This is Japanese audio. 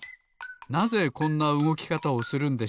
なぜこんなうごきかたをするんでしょうか？